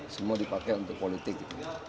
semua dipakai untuk politik